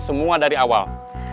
semua dari awal